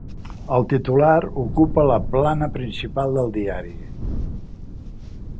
El titular ocupa la plana principal del diari.